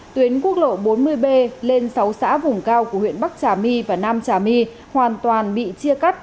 tuyến quốc lộ bốn mươi b lên sáu xã vùng cao của huyện bắc trà my và nam trà my hoàn toàn bị chia cắt